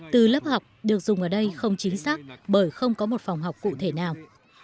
từ lớp học được dùng ở đây không chính xác bởi không có một phòng học cụ thể nào